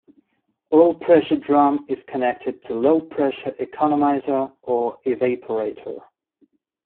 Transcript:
Low pressure drum is connected to low pressure economizer or evaporator.